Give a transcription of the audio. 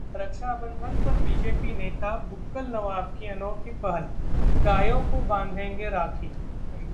रक्षाबंधन पर बीजेपी नेता बुक्कल नवाब की अनोखी पहल, गायों को बांधेंगे राखी